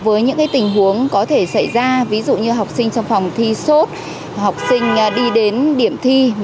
với những tình huống có thể xảy ra ví dụ như học sinh trong phòng thi sốt học sinh đi đến điểm thi